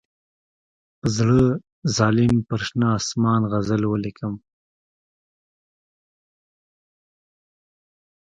په زړه ظالم پر شنه آسمان غزل ولیکم.